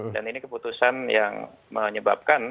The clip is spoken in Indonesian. dan ini keputusan yang menyebabkan